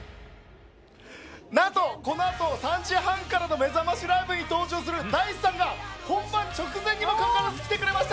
何とこの後、３時半からのめざましライブに登場するＤａ−ｉＣＥさんが本番直前にもかかわらず来てくれました。